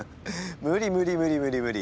無理無理無理無理無理。